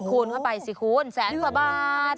คูณเข้าไปสิคุณแสนกว่าบาท